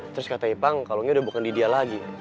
terus kata ipang kalongnya udah bukan di dia lagi